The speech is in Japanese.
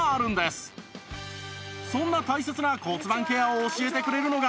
そんな大切な骨盤ケアを教えてくれるのが